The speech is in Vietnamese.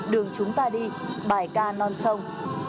đường chúng ta đi bài ca non sông